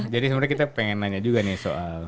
jadi sebenarnya kita pengen nanya juga nih soal